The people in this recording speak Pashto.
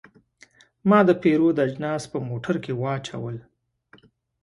ما د پیرود اجناس په موټر کې واچول.